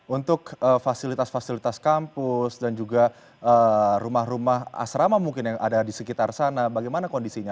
untuk fasilitas fasilitas kampus dan juga rumah rumah asrama mungkin yang ada di sekitar sana bagaimana kondisinya